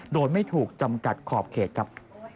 โดยไม่ถูกจำกัดขอบเขตครับ